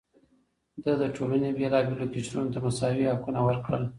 ده د ټولنې بېلابېلو قشرونو ته مساوي حقونه ورکړل.